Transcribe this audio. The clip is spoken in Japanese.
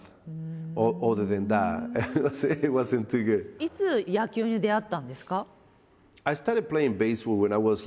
いつ野球に出会ったんですか？